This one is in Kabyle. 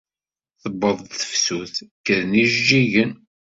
Tewweḍ-d tefsut, kkren ijeǧǧigen.